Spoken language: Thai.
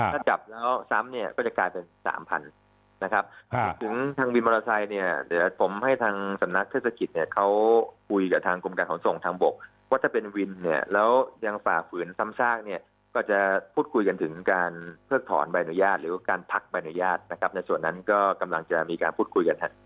ถ้าจับแล้วซ้ำเนี่ยก็จะกลายเป็นสามพันนะครับคิดถึงทางวินมอเตอร์ไซค์เนี่ยเดี๋ยวผมให้ทางสำนักเทศกิจเนี่ยเขาคุยกับทางกรมการขนส่งทางบกว่าถ้าเป็นวินเนี่ยแล้วยังฝ่าฝืนซ้ำซากเนี่ยก็จะพูดคุยกันถึงการเพิกถอนใบอนุญาตหรือว่าการพักใบอนุญาตนะครับในส่วนนั้นก็กำลังจะมีการพูดคุยกันครับ